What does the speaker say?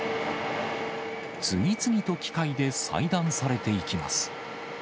次々と機械で細断されていきます。